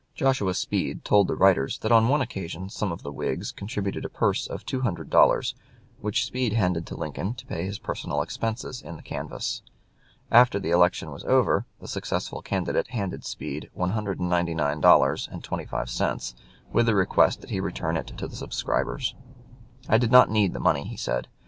Joshua Speed told the writers that on one occasion some of the Whigs contributed a purse of two hundred dollars which Speed handed to Lincoln to pay his personal expenses in the canvass. After the election was over, the successful candidate handed Speed $199.25, with the request that he return it to the subscribers. "I did not need the money," he said.